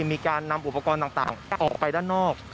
มีการนำอุปกรณ์ต่างออกไปด้านนอก